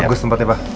bagus tempatnya pak